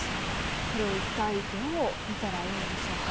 これを一体どう見たらいいんでしょうか。